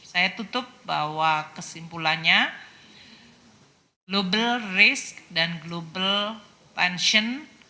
saya tutup bahwa kesimpulannya global race dan global pensiun